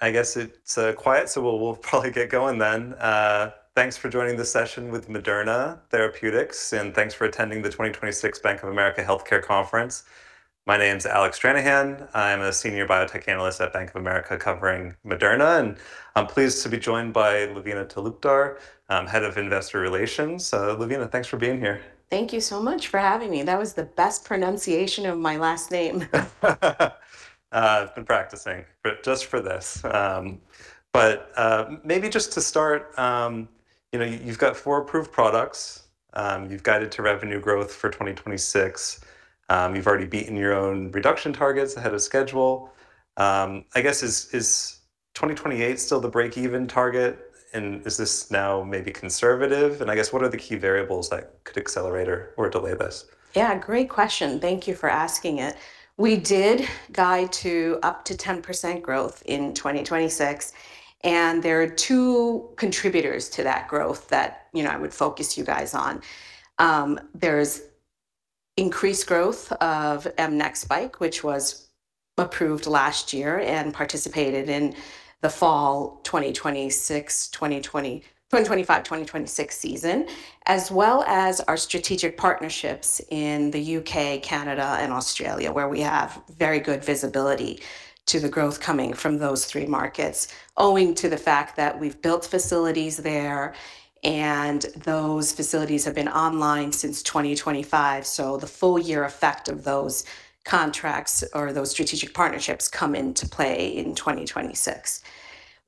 All right. I guess it's quiet, we'll probably get going then. Thanks for joining the session with Moderna, Inc., thanks for attending the Bank of America 2026 Global Healthcare Conference. My name's Alec Stranahan. I'm a senior biotech analyst at Bank of America covering Moderna, I'm pleased to be joined by Lavina Talukdar, Head of Investor Relations. Lavina, thanks for being here. Thank you so much for having me. That was the best pronunciation of my last name. I've been practicing but just for this. Maybe just to start, you know, you've got four approved products. You've guided to revenue growth for 2026. You've already beaten your own reduction targets ahead of schedule. I guess is 2028 still the breakeven target, and is this now maybe conservative? I guess what are the key variables that could accelerate or delay this? Yeah, great question. Thank you for asking it. We did guide to up to 10% growth in 2026. There are two contributors to that growth that, you know, I would focus you guys on. There's increased growth of mRESVIA, Which was approved last year and participated in the fall 2025, 2026 season, as well as our strategic partnerships in the U.K., Canada, and Australia, where we have very good visibility to the growth coming from those three markets owing to the fact that we've built facilities there, and those facilities have been online since 2025, so the full year effect of those contracts or those strategic partnerships come into play in 2026.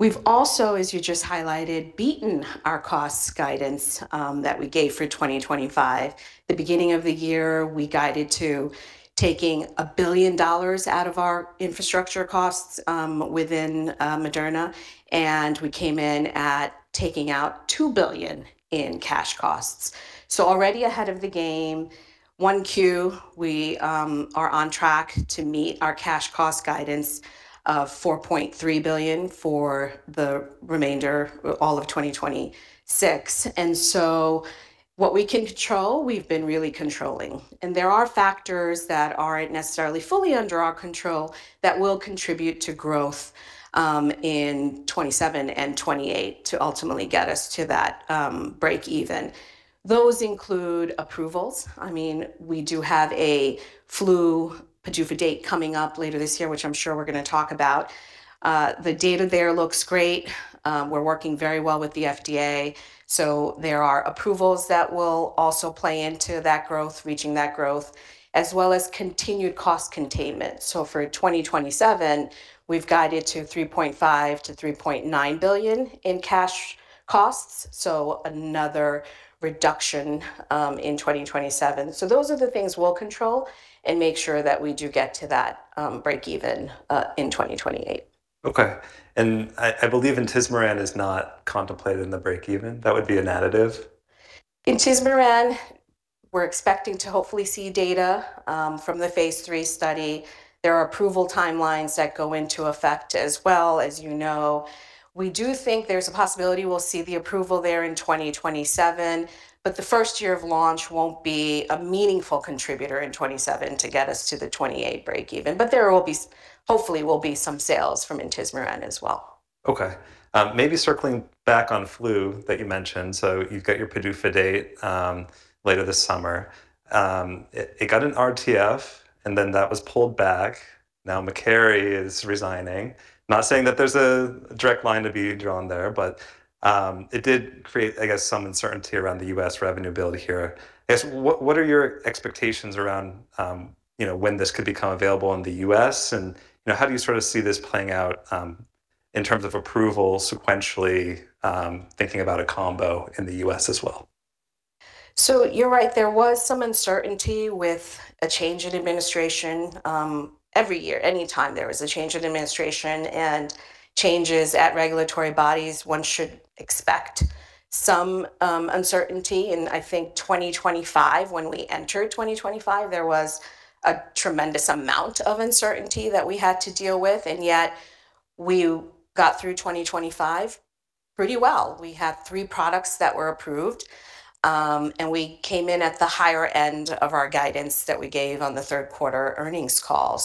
We've also, as you just highlighted, beaten our costs guidance that we gave for 2025. The beginning of the year, we guided to taking $1 billion out of our infrastructure costs within Moderna. We came in at taking out $2 billion in cash costs. Already ahead of the game, 1Q, we are on track to meet our cash cost guidance of $4.3 billion for the remainder, all of 2026. What we can control, we've been really controlling. There are factors that aren't necessarily fully under our control that will contribute to growth in 2027 and 2028 to ultimately get us to that breakeven. Those include approvals. I mean, we do have a flu PDUFA date coming up later this year, which I'm sure we're gonna talk about. The data there looks great. We're working very well with the FDA, there are approvals that will also play into that growth, reaching that growth, as well as continued cost containment. For 2027, we've guided to $3.5 billion-$3.9 billion in cash costs, another reduction in 2027. Those are the things we'll control and make sure that we do get to that breakeven in 2028. Okay. I believe intismeran is not contemplated in the breakeven. That would be an additive? Intismeran, we're expecting to hopefully see data from the phase III study. There are approval timelines that go into effect as well, as you know. We do think there's a possibility we'll see the approval there in 2027, but the first year of launch won't be a meaningful contributor in 27 to get us to the 28 breakeven. But there hopefully will be some sales from intismeran as well. Okay. Maybe circling back on flu that you mentioned. You've got your PDUFA date later this summer. It got an RTF, and then that was pulled back. Makary is resigning. Not saying that there's a direct line to be drawn there, but it did create, I guess, some uncertainty around the U.S. revenue bill here. I guess what are your expectations around, you know, when this could become available in the U.S., and, you know, how do you sort of see this playing out in terms of approval sequentially, thinking about a combo in the U.S. as well? You're right. There was some uncertainty with a change in administration. every year, any time there is a change in administration and changes at regulatory bodies, one should expect some uncertainty. I think 2025, when we entered 2025, there was a tremendous amount of uncertainty that we had to deal with, and yet we got through 2025 pretty well. We have three products that were approved, and we came in at the higher end of our guidance that we gave on the third quarter earnings call.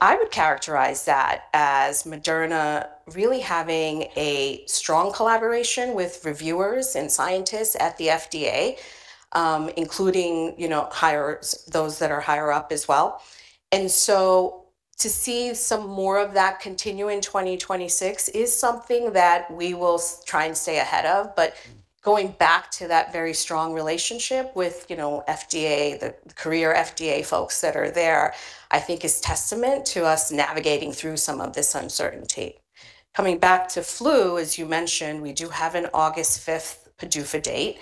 I would characterize that as Moderna really having a strong collaboration with reviewers and scientists at the FDA, including, you know, those that are higher up as well. To see some more of that continue in 2026 is something that we will try and stay ahead of. Going back to that very strong relationship with, you know, FDA, the career FDA folks that are there, I think is testament to us navigating through some of this uncertainty. Coming back to flu, as you mentioned, we do have an August fifth PDUFA date.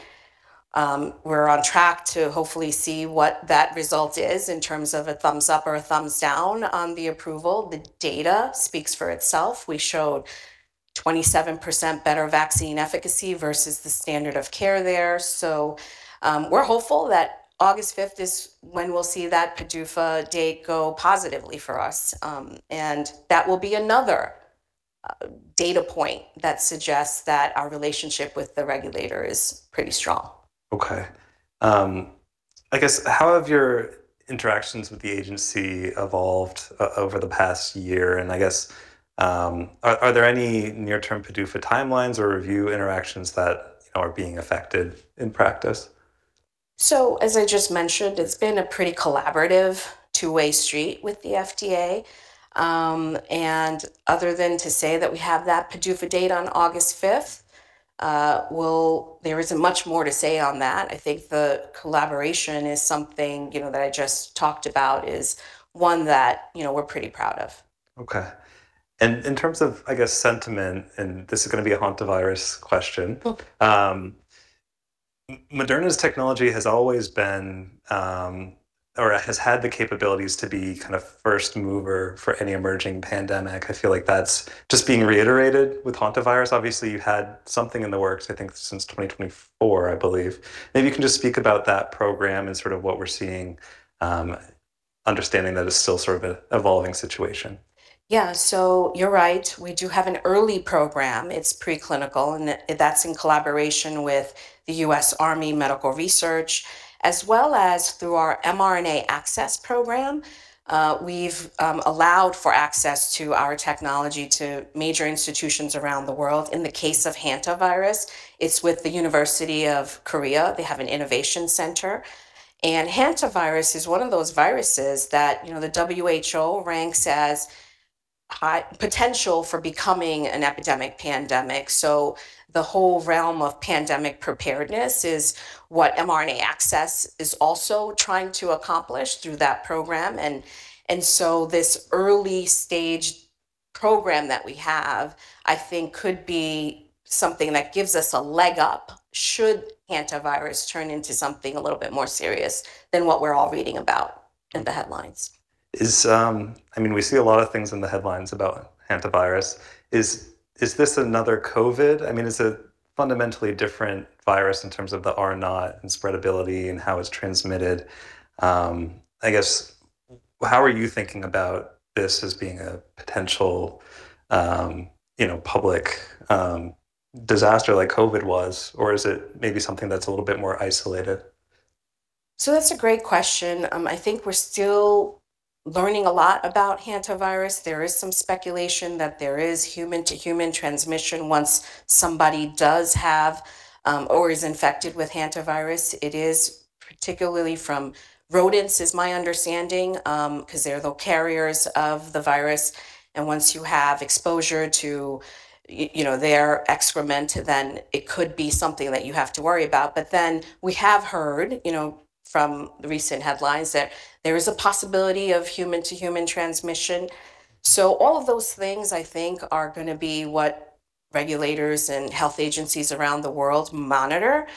We're on track to hopefully see what that result is in terms of a thumbs up or a thumbs down on the approval. The data speaks for itself. We showed 27% better vaccine efficacy versus the standard of care there. We're hopeful that August fifth is when we'll see that PDUFA date go positively for us. That will be another data point that suggests that our relationship with the regulator is pretty strong. Okay. I guess how have your interactions with the agency evolved over the past year? I guess, are there any near-term PDUFA timelines or review interactions that, you know, are being affected in practice? As I just mentioned, it's been a pretty collaborative two-way street with the FDA. Other than to say that we have that PDUFA date on August 5th, there isn't much more to say on that. I think the collaboration is something, you know, that I just talked about, is one that, you know, we're pretty proud of. Okay. In terms of, I guess, sentiment, and this is gonna be a hantavirus question. Moderna's technology has always been, or has had the capabilities to be kind of first mover for any emerging pandemic. I feel like that's just being reiterated with hantavirus. Obviously, you had something in the works, I think, since 2024, I believe. Maybe you can just speak about that program and sort of what we're seeing, understanding that it's still sort of a evolving situation. Yeah. You're right. We do have an early program. It's preclinical, that's in collaboration with the U.S. Army Medical Research, as well as through our mRNA Access Program, we've allowed for access to our technology to major institutions around the world. In the case of hantavirus, it's with Korea University. They have an innovation center. Hantavirus is one of those viruses that, you know, the WHO ranks as high potential for becoming an epidemic pandemic. The whole realm of pandemic preparedness is what mRNA Access is also trying to accomplish through that program. This early stage program that we have, I think could be something that gives us a leg up should hantavirus turn into something a little bit more serious than what we're all reading about in the headlines. I mean, we see a lot of things in the headlines about hantavirus. Is this another COVID? I mean, it's a fundamentally different virus in terms of the R0 and spreadability and how it's transmitted. I guess, how are you thinking about this as being a potential, you know, public disaster like COVID was, or is it maybe something that's a little bit more isolated? That's a great question. I think we're still learning a lot about hantavirus. There is some speculation that there is human-to-human transmission once somebody does have or is infected with hantavirus. It is particularly from rodents, is my understanding, 'cause they're the carriers of the virus. Once you have exposure to you know, their excrement, it could be something that you have to worry about. We have heard, you know, from recent headlines that there is a possibility of human-to-human transmission. All of those things, I think, are gonna be what regulators and health agencies around the world monitor.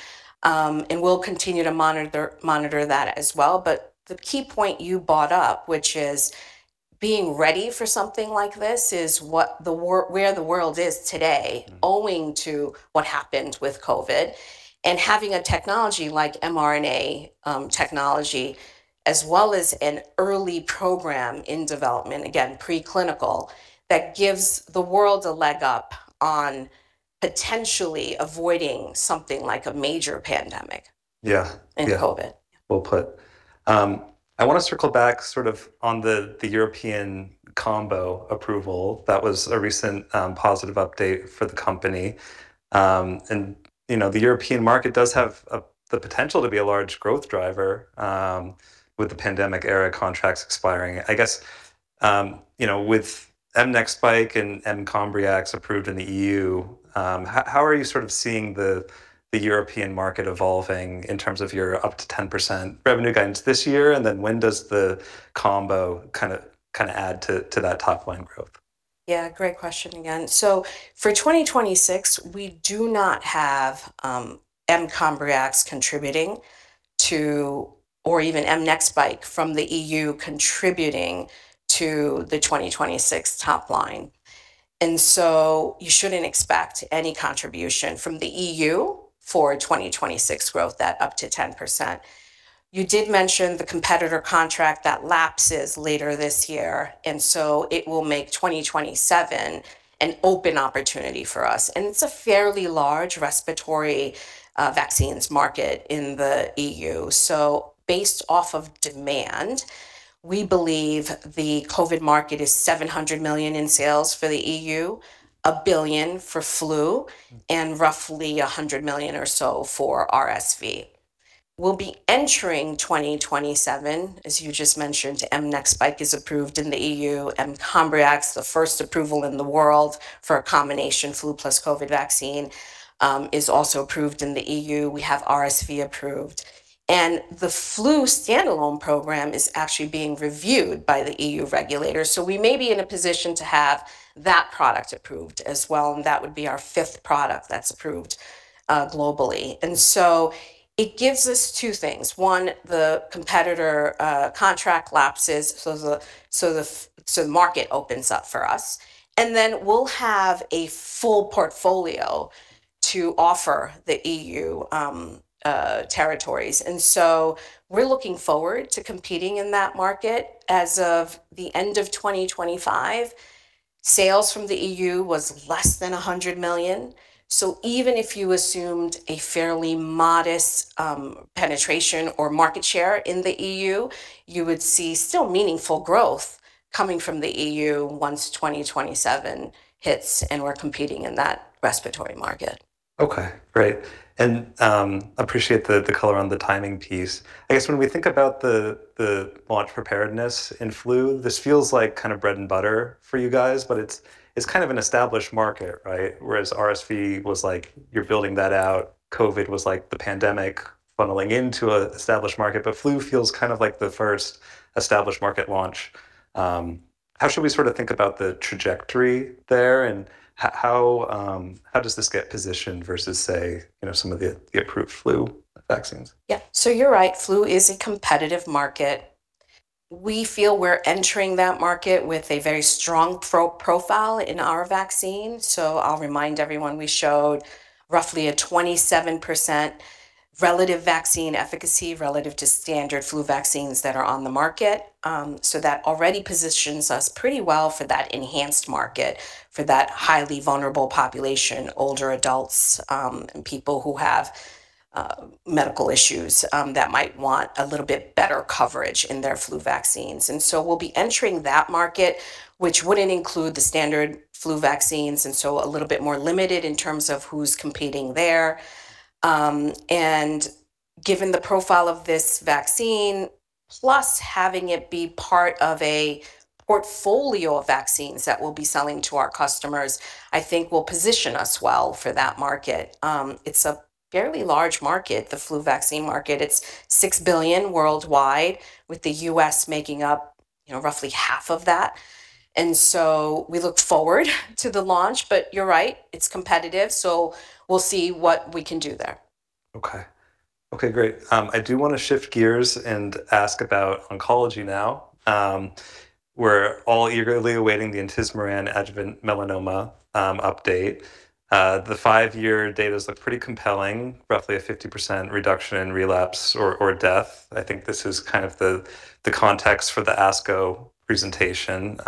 We'll continue to monitor that as well. The key point you brought up, which is being ready for something like this, is what where the world is today. Owing to what happened with COVID, having a technology like mRNA, technology, as well as an early program in development, again, preclinical, that gives the world a leg up on potentially avoiding something like a major pandemic. Yeah. Yeah. Than COVID. Well put. I want to circle back sort of on the European combo approval. That was a recent positive update for the company. You know, the European market does have a, the potential to be a large growth driver with the pandemic era contracts expiring. I guess, you know, with mRESVIA and Comirnaty approved in the EU, how are you sort of seeing the European market evolving in terms of your up to 10% revenue guidance this year? When does the combo kind of add to that top line growth? Yeah. Great question again. For 2026, we do not have Comirnaty contributing to, or even NIPs from the EU contributing to the 2026 top line. You shouldn't expect any contribution from the EU for 2026 growth at up to 10%. You did mention the competitor contract that lapses later this year, it will make 2027 an open opportunity for us, it's a fairly large respiratory vaccines market in the EU. Based off of demand, we believe the COVID market is $700 million in sales for the EU, $1 billion for flu. Roughly $100 million or so for mRESVIA. We'll be entering 2027, as you just mentioned, mRESVIA is approved in the EU and Comirnaty, the first approval in the world for a combination flu plus COVID vaccine, is also approved in the EU. We have mRESVIA approved. The flu standalone program is actually being reviewed by the EU regulators. We may be in a position to have that product approved as well, and that would be our fifth product that's approved globally. It gives us two things. One, the competitor contract lapses, so the market opens up for us, then we'll have a full portfolio to offer the EU territories. We're looking forward to competing in that market. As of the end of 2025, sales from the EU was less than $100 million. Even if you assumed a fairly modest penetration or market share in the EU, you would see still meaningful growth coming from the EU once 2027 hits and we're competing in that respiratory market. Okay. Great. Appreciate the color on the timing piece. I guess when we think about the launch preparedness in flu, this feels like kind of bread and butter for you guys, it's kind of an established market, right? Whereas mRESVIA was like you're building that out. COVID was like the pandemic funneling into a established market. Flu feels kind of like the first established market launch. How should we sort of think about the trajectory there and how does this get positioned versus say, you know, some of the approved flu vaccines? Yeah. You're right, flu is a competitive market. We feel we're entering that market with a very strong profile in our vaccine. I'll remind everyone, we showed roughly a 27% relative vaccine efficacy relative to standard flu vaccines that are on the market. That already positions us pretty well for that enhanced market, for that highly vulnerable population, older adults, and people who have medical issues that might want a little bit better coverage in their flu vaccines. We'll be entering that market, which wouldn't include the standard flu vaccines, and so a little bit more limited in terms of who's competing there. Given the profile of this vaccine, plus having it be part of a portfolio of vaccines that we'll be selling to our customers, I think will position us well for that market. It's a fairly large market, the flu vaccine market. It's $6 billion worldwide with the U.S. making up, you know, roughly half of that. We look forward to the launch. You're right, it's competitive, so we'll see what we can do there. Okay. Okay, great. I do wanna shift gears and ask about oncology now. We're all eagerly awaiting the intismeran adjuvant melanoma update. The five-year data's look pretty compelling, roughly a 50% reduction in relapse or death. I think this is kind of the context for the ASCO presentation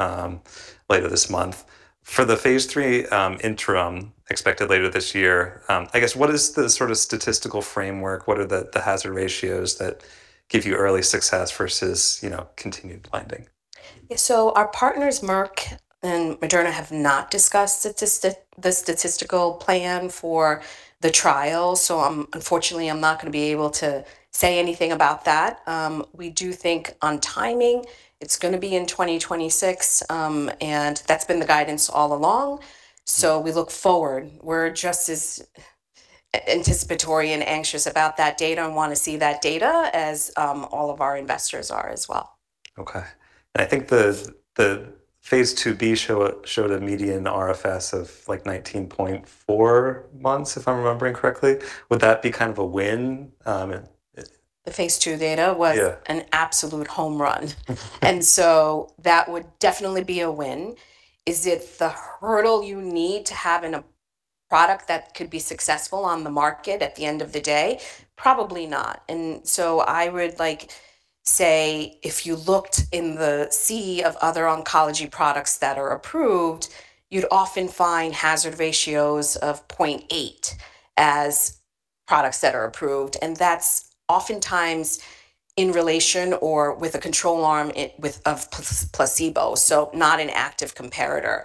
later this month. For the phase III interim expected later this year, I guess, what is the sort of statistical framework? What are the hazard ratios that give you early success versus, you know, continued blinding? Yeah. Our partners, Merck and Moderna, have not discussed the statistical plan for the trial, so unfortunately, I'm not gonna be able to say anything about that. We do think on timing, it's gonna be in 2026, and that's been the guidance all along. We look forward. We're just as anticipatory and anxious about that data and wanna see that data as all of our investors are as well. Okay. I think the phase IIb show, showed a median RFS of like 19.4 months, if I'm remembering correctly. Would that be kind of a win? The phase II. Yeah was an absolute home run. That would definitely be a win. Is it the hurdle you need to have in a product that could be successful on the market at the end of the day? Probably not. I would like say if you looked in the sea of other oncology products that are approved, you'd often find hazard ratios of 0.8 as products that are approved, and that's oftentimes in relation or with a control arm of placebo, so not an active comparator.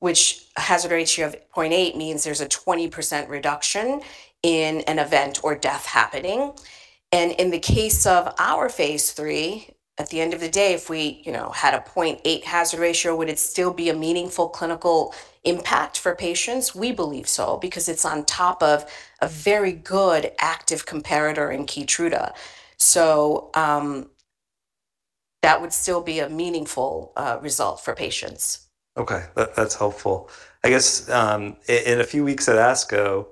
Which a hazard ratio of 0.8 means there's a 20% reduction in an event or death happening. In the case of our phase III, at the end of the day, if we, you know, had a 0.8 hazard ratio, would it still be a meaningful clinical impact for patients? We believe so because it's on top of a very good active comparator in KEYTRUDA. That would still be a meaningful result for patients. Okay. That, that's helpful. I guess, in a few weeks at ASCO,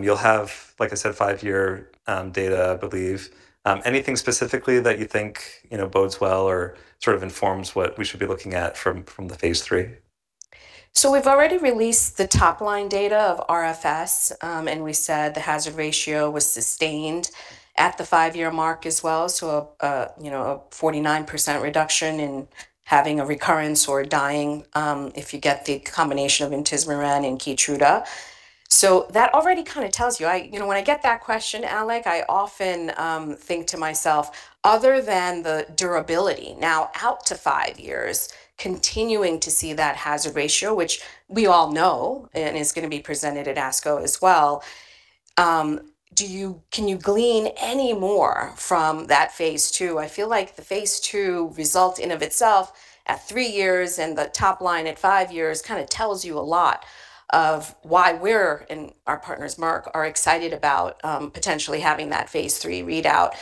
you'll have, like I said, five-year data, I believe. Anything specifically that you think, you know, bodes well or sort of informs what we should be looking at from the phase III? We've already released the top line data of RFS, and we said the hazard ratio was sustained at the five-year mark as well, you know, a 49% reduction in having a recurrence or dying if you get the combination of intismeran and KEYTRUDA. That already kinda tells you. You know, when I get that question, Alec, I often think to myself, other than the durability now out to five years, continuing to see that hazard ratio, which we all know and is gonna be presented at ASCO as well, can you glean any more from that phase II? I feel like the phase II result in and of itself at three years and the top line at five years kinda tells you a lot of why we're, and our partners Merck, are excited about potentially having that phase III readout.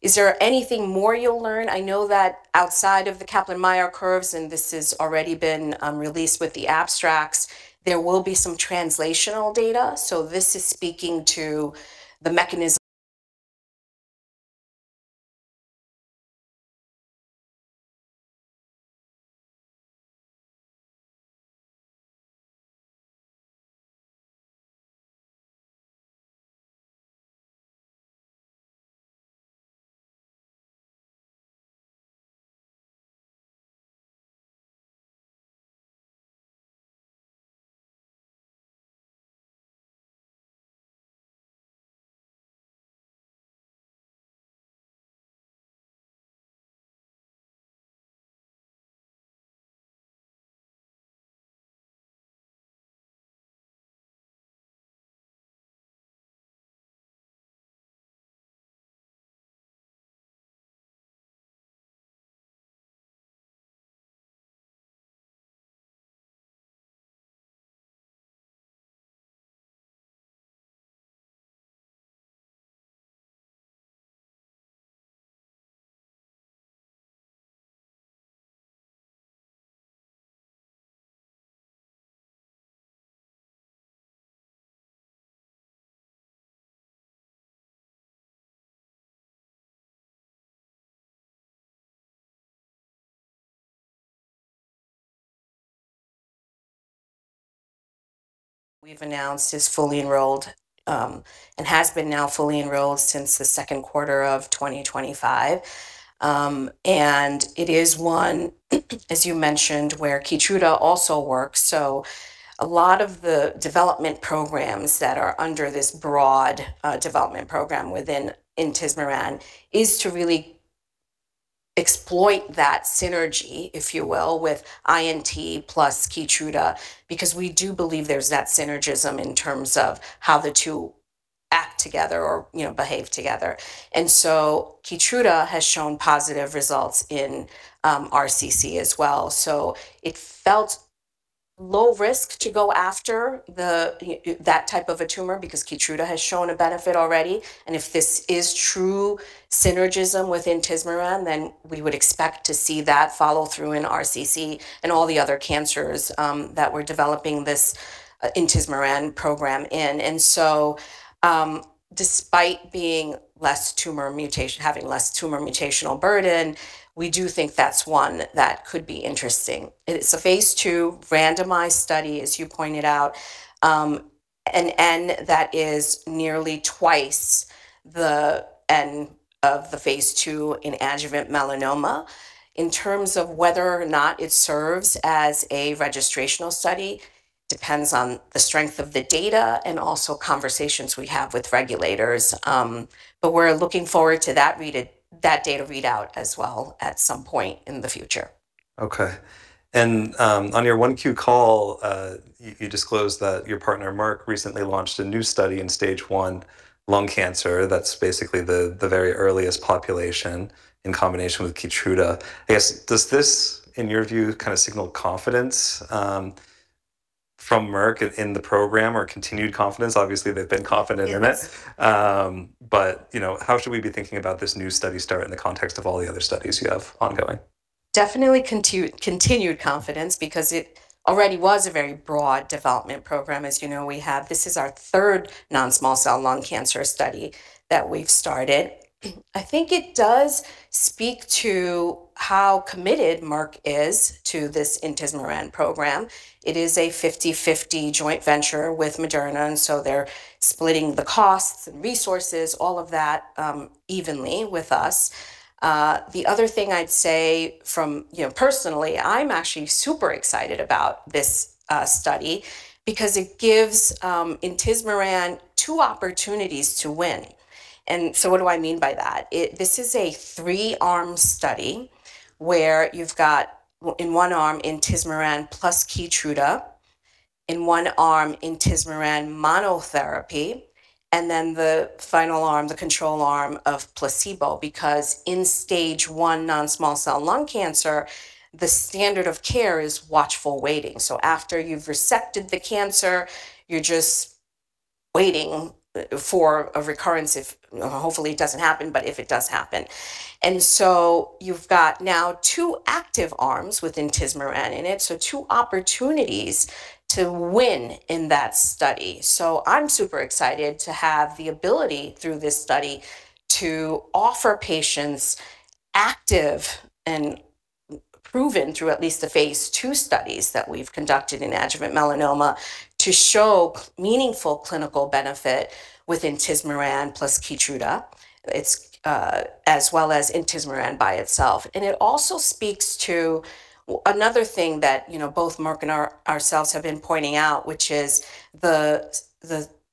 Is there anything more you'll learn? I know that outside of the Kaplan-Meier curves, and this has already been released with the abstracts, there will be some translational data, so this is speaking to the mechanism. We've announced is fully enrolled and has been now fully enrolled since the Q2 of 2025. It is one, as you mentioned, where KEYTRUDA also works. A lot of the development programs that are under this broad development program within intismeran is to really exploit that synergy, if you will, with INT plus KEYTRUDA, because we do believe there's that synergism in terms of how the two act together or, you know, behave together. KEYTRUDA has shown positive results in RCC as well. It felt low risk to go after that type of a tumor because KEYTRUDA has shown a benefit already. If this is true synergism with intismeran, then we would expect to see that follow through in RCC. All the other cancers that we're developing this intismeran program in. Despite being less tumor mutation, having less tumor mutational burden, we do think that's one that could be interesting. It's a phase II randomized study, as you pointed out, an N that is nearly twice the N of the phase II in adjuvant melanoma. In terms of whether or not it serves as a registrational study depends on the strength of the data and also conversations we have with regulators. We're looking forward to that data readout as well at some point in the future. Okay. on your 1Q call, you disclosed that your partner Merck recently launched a new study in Stage I lung cancer. That's basically the very earliest population in combination with KEYTRUDA. I guess, does this, in your view, kind of signal confidence from Merck in the program or continued confidence? Obviously, they've been confident in it. Yes. You know, how should we be thinking about this new study start in the context of all the other studies you have ongoing? Definitely continued confidence because it already was a very broad development program. As you know, this is our third non-small cell lung cancer study that we've started. I think it does speak to how committed Merck is to this intismeran program. It is a 50/50 joint venture with Moderna, they're splitting the costs and resources, all of that, evenly with us. The other thing I'd say from, you know, personally, I'm actually super excited about this study because it gives intismeran two opportunities to win. What do I mean by that? This is a 3-arm study where you've got in 1 arm intismeran plus KEYTRUDA, in 1 arm intismeran monotherapy, and then the final arm, the control arm, of placebo. In Stage 1 non-small cell lung cancer, the standard of care is watchful waiting. After you've resected the cancer, you're just waiting for a recurrence. Hopefully, it doesn't happen, but if it does happen. You've got now 2 active arms with intismeran in it, so two opportunities to win in that study. I'm super excited to have the ability through this study to offer patients active and proven through at least the phase II studies that we've conducted in adjuvant melanoma to show meaningful clinical benefit with intismeran plus KEYTRUDA. as well as intismeran by itself. It also speaks to another thing that, you know, both Merck and ourselves have been pointing out, which is the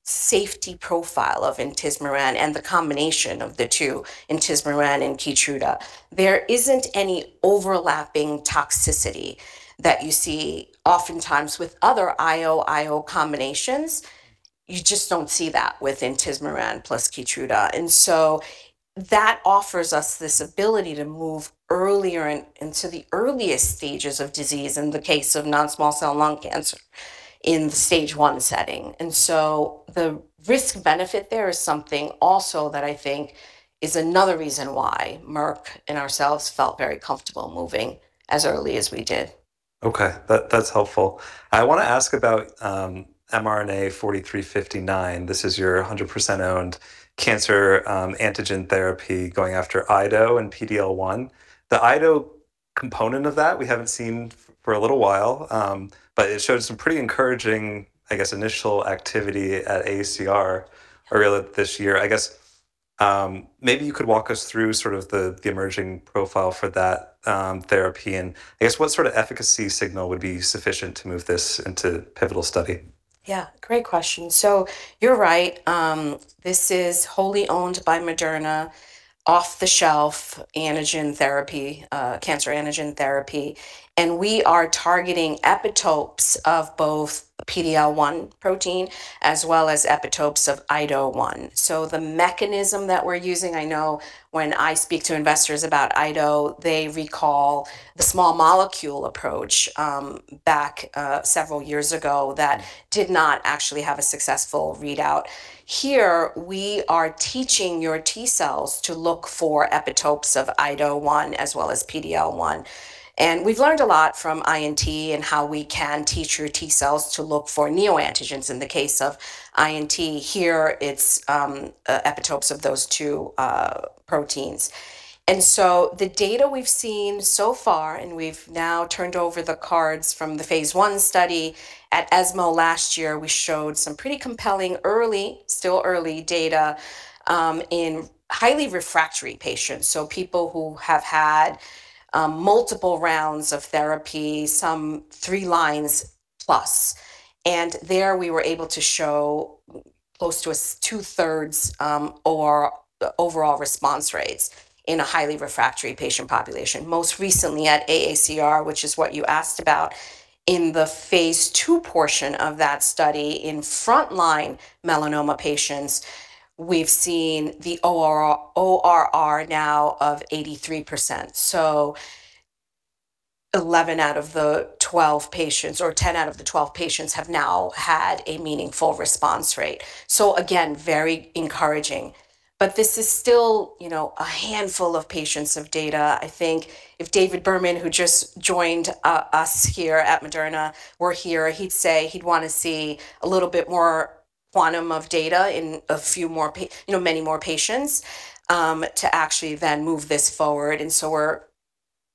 safety profile of intismeran and the combination of the two, intismeran and KEYTRUDA. There isn't any overlapping toxicity that you see oftentimes with other IO-IO combinations. You just don't see that with intismeran plus KEYTRUDA. That offers us this ability to move earlier into the earliest stages of disease in the case of non-small cell lung cancer in the Stage I setting. The risk-benefit there is something also that I think is another reason why Merck and ourselves felt very comfortable moving as early as we did. Okay. That's helpful. I want to ask about mRNA-4359. This is your 100% owned cancer antigen therapy going after IDO and PD-L1. The IDO component of that we haven't seen for a little while. It shows some pretty encouraging, I guess, initial activity at AACR earlier this year. I guess, maybe you could walk us through sort of the emerging profile for that therapy. I guess what sort of efficacy signal would be sufficient to move this into pivotal study? Yeah, great question. You're right. This is wholly owned by Moderna off-the-shelf antigen therapy, cancer antigen therapy, and we are targeting epitopes of both PD-L1 protein as well as epitopes of IDO1. The mechanism that we're using, I know when I speak to investors about IDO, they recall the small molecule approach, back, several years ago that did not actually have a successful readout. Here, we are teaching your T cells to look for epitopes of IDO1 as well as PD-L1. We've learned a lot from INT and how we can teach your T cells to look for neoantigens in the case of INT. Here, it's epitopes of those two proteins. The data we've seen so far, and we've now turned over the cards from the phase I study at ESMO last year, we showed some pretty compelling early, still early data, in highly refractory patients, so people who have had multiple rounds of therapy, some three lines plus. Most recently at AACR, which is what you asked about, in the phase II portion of that study in frontline melanoma patients, we've seen the ORR now of 83%. 11 out of the 12 patients, or 10 out of the 12 patients have now had a meaningful response rate. Again, very encouraging, but this is still, you know, a handful of patients of data. I think if David Berman, who just joined, us here at Moderna, were here, he'd say he'd want to see a little bit more quantum of data in a few more you know, many more patients, to actually then move this forward. We're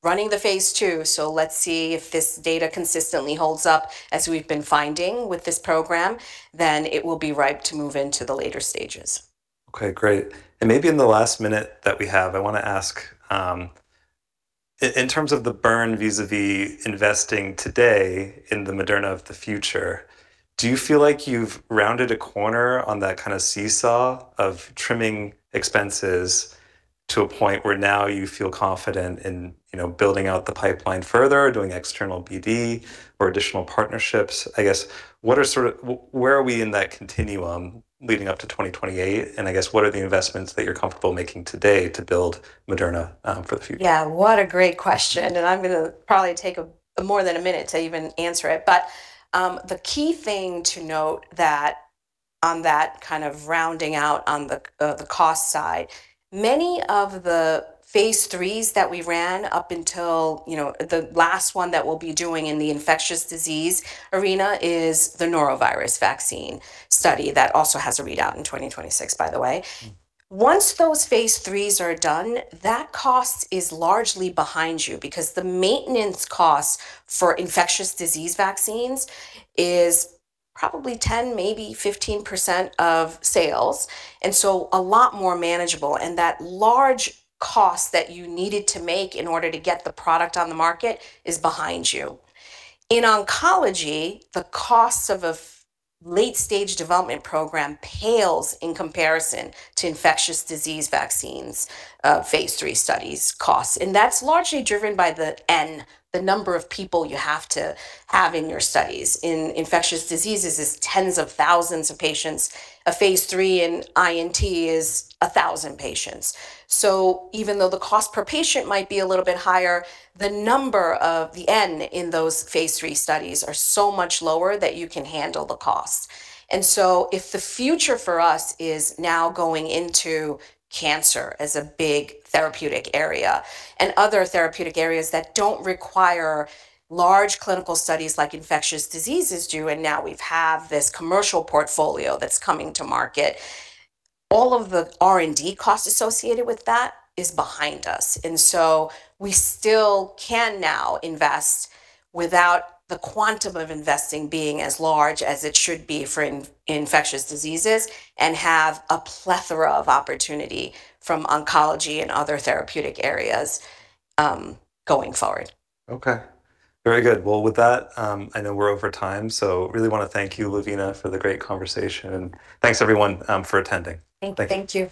running the phase II, so let's see if this data consistently holds up as we've been finding with this program, then it will be ripe to move into the later stages. Okay. Great. Maybe in the last minute that we have, I want to ask, in terms of the burn vis-a-vis investing today in the Moderna of the future, do you feel like you've rounded a corner on that kind of seesaw of trimming expenses to a point where now you feel confident in, you know, building out the pipeline further, doing external BD or additional partnerships? I guess, where are we in that continuum leading up to 2028? I guess, what are the investments that you're comfortable making today to build Moderna for the future? Yeah, what a great question, and I'm gonna probably take a, more than a minute to even answer it. The key thing to note that on that kind of rounding out on the cost side, many of the phase III that we ran up until, you know, the last one that we'll be doing in the infectious disease arena is the norovirus vaccine study that also has a readout in 2026, by the way. Once those phase III are done, that cost is largely behind you because the maintenance cost for infectious disease vaccines is probably 10%, maybe 15% of sales, and so a lot more manageable. That large cost that you needed to make in order to get the product on the market is behind you. In oncology, the cost of a late-stage development program pales in comparison to infectious disease vaccines, phase III studies costs, and that's largely driven by the N, the number of people you have to have in your studies. In infectious diseases is tens of thousands of patients. A phase III in INT is 1,000 patients. Even though the cost per patient might be a little bit higher, the number of the N in those phase III studies are so much lower that you can handle the cost. If the future for us is now going into cancer as a big therapeutic area and other therapeutic areas that don't require large clinical studies like infectious diseases do, and now we've have this commercial portfolio that's coming to market, all of the R&D costs associated with that is behind us. We still can now invest without the quantum of investing being as large as it should be for infectious diseases and have a plethora of opportunity from oncology and other therapeutic areas going forward. Okay. Very good. Well, with that, I know we're over time, so really want to thank you, Lavina, for the great conversation. Thanks everyone for attending. Thank you.